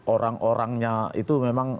orang orangnya itu memang